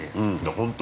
◆本当、